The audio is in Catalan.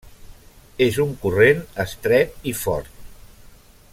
És un corrent estret i fort.